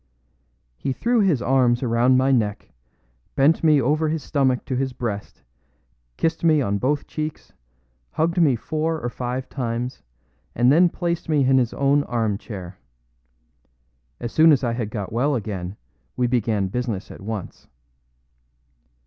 He threw his arms around my neck, bent me over his stomach to his breast, kissed me on both cheeks, hugged me four or five times, and then placed me in his own arm chair. As soon as I had got well again, we began business at once.